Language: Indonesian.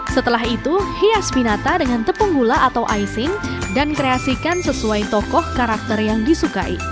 setelah itu hias binata dengan tepung gula atau ising dan kreasikan sesuai tokoh karakter yang disukai